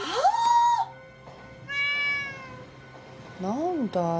なんだよ。